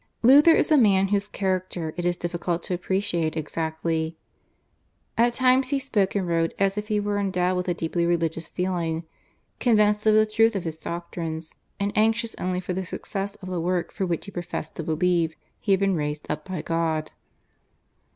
Luther is a man whose character it is difficult to appreciate exactly. At times he spoke and wrote as if he were endowed with a deeply religious feeling, convinced of the truth of his doctrines, and anxious only for the success of the work for which he professed to believe he had been raised up by God.